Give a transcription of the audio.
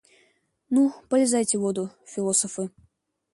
Ну, полезайте в воду, философы.